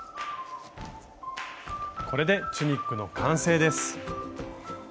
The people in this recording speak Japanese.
これでチュニックの完成です。